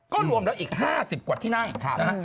ก็รวมแล้วอีก๕๐กว่าที่นั่งนะฮะ